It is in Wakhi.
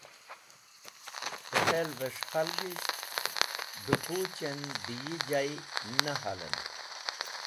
Pẽ hel’ves̃h khalgisht dẽ kuch en dẽ yi jay ne halen.